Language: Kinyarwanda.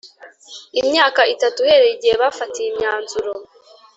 Imyaka itatu uhereye igihe bafatiye imyanzuro